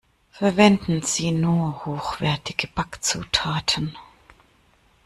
Verwenden Sie nur hochwertige Backzutaten!